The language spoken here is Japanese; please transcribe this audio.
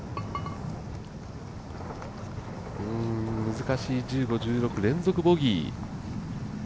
難しい１５、１６連続ボギー。